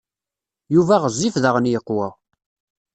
Yuba ɣezzif daɣen yeqwa.